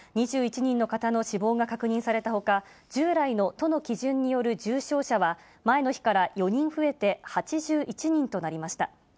２１人の方の死亡が確認されたほか、従来の都の基準による重症者は前の日から４人増えて８１人となりました。